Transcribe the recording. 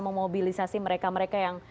memobilisasi mereka mereka yang